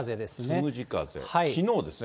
つむじ風、きのうですね。